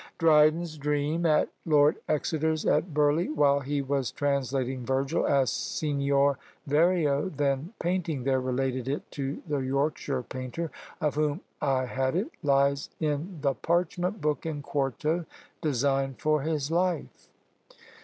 Dryden's Dream, at Lord Exeter's, at Burleigh, while he was translating Virgil, as Signior Verrio, then painting there, related it to the Yorkshire painter, of whom I had it, lies in the parchment book in quarto, designed for his life.